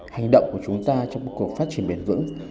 hành động của chúng ta trong một cuộc phát triển bền vững